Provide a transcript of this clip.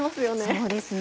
そうですね